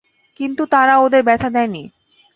কিন্তু তারা ওদের ব্যথা দেয়নি।